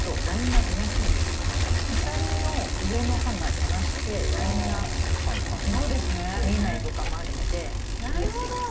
ハサミの上の刃が邪魔してラインが見えないとかもあるので切りやすいです。